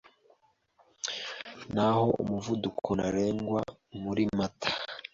naho umuvuduko ntarengwa muri Mata